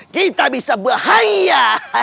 kita bisa berhaya